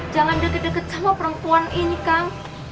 jangan deket deket sama perempuan ini kang